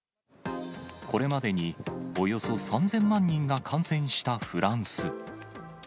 これまでに、およそ３０００万人が感染したフランス。